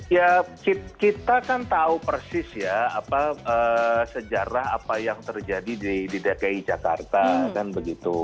ya kita kan tahu persis ya apa sejarah apa yang terjadi di dki jakarta kan begitu